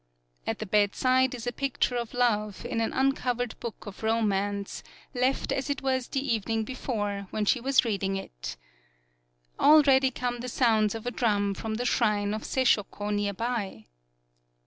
At the bedside is a picture of love in an uncovered book of ro mance, left as it was the evening before when she was reading it. Already come the sounds of a drum from the shrine of Seishoko near by